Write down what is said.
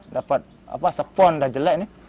dapet apa sepon dah jelek nih